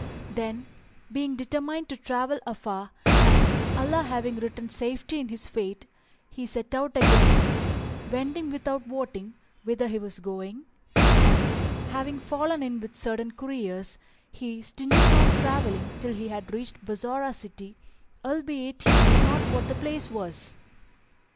[FN#378] Then, being determined to travel afar and Allah having written safety in his fate, he set out again, wending without wotting whither he was going; and, having fallen in with certain couriers, he stinted not travelling till he had reached Bassorah city albeit he knew not what the place was.